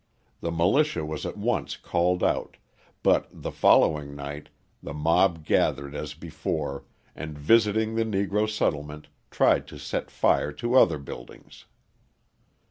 The militia was at once called out, but the following night the mob gathered as before and visiting the Negro settlement, tried to set fire to other buildings.